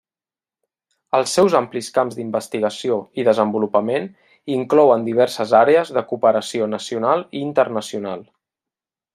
Els seus amplis camps d'investigació i desenvolupament inclouen diverses àrees de cooperació nacional i internacional.